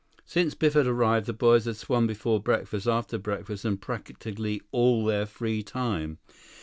Since Biff had arrived, the boys had swum before breakfast, after breakfast, and practically all their free time.